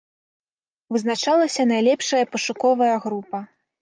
Вызначалася найлепшая пошукавая група.